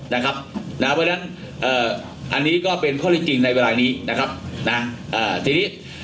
เพราะฉะนั้นอันนี้ก็เป็นข้อเล็กจริงในเวลานี้